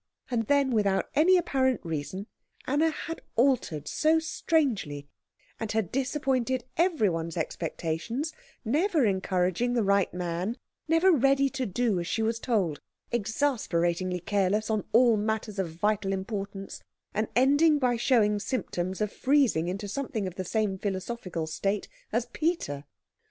And then, without any apparent reason, Anna had altered so strangely, and had disappointed every one's expectations; never encouraging the right man, never ready to do as she was told, exasperatingly careless on all matters of vital importance, and ending by showing symptoms of freezing into something of the same philosophical state as Peter.